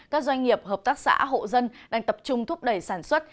các doanh nghiệp hợp tác xã hộ dân đang tập trung thúc đẩy sản xuất